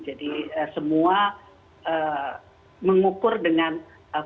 jadi semua mengukur dengan kondisi saya